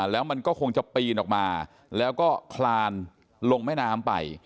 แล้วมันก็คงจะปีนออกมาแล้วก็คลานลงแม่น้ำไป